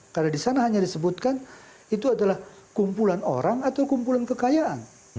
karena di sana hanya disebutkan itu adalah kumpulan orang atau kumpulan keputusan